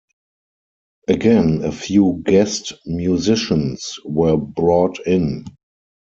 Again, a few guest musicians were brought in.